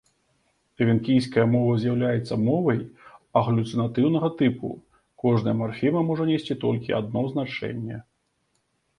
Эвенкійская мова з'яўляецца мовай аглюцінатыўнага тыпу, кожная марфема можа несці толькі адно значэнне.